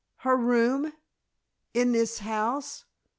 "Her room? In this house?